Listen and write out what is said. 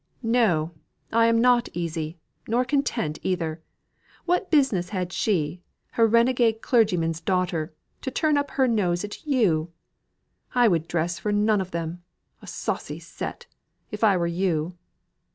"No! I am not easy nor content either. What business had she, a renegade clergyman's daughter, to turn up her nose at you! I would dress for none of them a saucy set! if I were you."